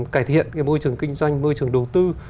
cải thiện môi trường kinh doanh môi trường đầu tư